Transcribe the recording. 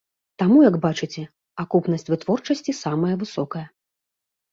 Таму, як бачыце, акупнасць вытворчасці самая высокая.